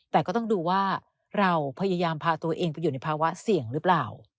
แต่ก็ต้องดูว่าเราพยายามพาตัวเองไปอยู่ในภาวะเสี่ยงหรือเปล่า